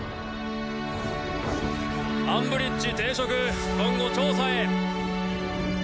「アンブリッジ停職」「今後調査へ」